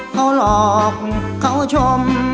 เขาหลอกเขาชม